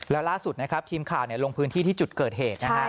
แล้วล่าสุดนะครับทีมข่าวลงพื้นที่ที่จุดเกิดเหตุนะครับ